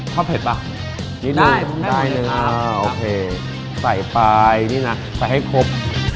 เผ็ดป่ะนิดนึงได้เลยนะโอเคใส่ไปนี่นะใส่ให้ครบ